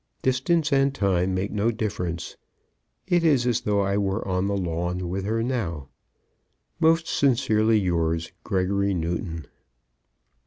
Distance and time make no difference. It is as though I were on the lawn with her now. Most sincerely yours, GREGORY NEWTON.